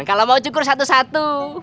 kalau mau cukur satu satu